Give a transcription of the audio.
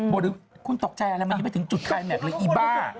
โบดึงคุณตกใจอะไรไม่ได้ถึงจุดคลายแม็กซ์เลยอีบ้า